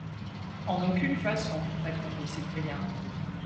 En aucune façon, répondit Cyprien.